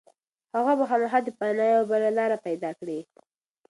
هغه به خامخا د پناه یوه بله لاره پيدا کړي.